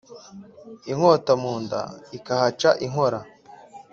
inkota munda ikahaca inkora